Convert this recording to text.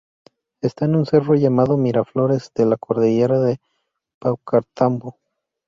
Está en un cerro llamado Miraflores de la cordillera de Paucartambo.